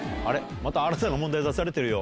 また新たな問題出されてるよ。